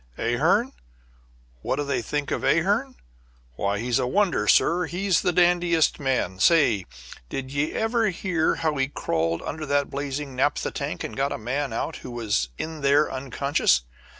Ahearn? What do they think of Ahearn? Why, he's a wonder, sir; he's the dandiest man. Say, did ye ever hear how he crawled under that blazing naphtha tank and got a man out who was in there unconscious?